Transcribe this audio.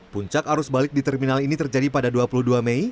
puncak arus balik di terminal ini terjadi pada dua puluh dua mei